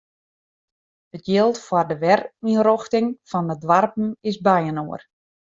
It jild foar de werynrjochting fan de doarpen is byinoar.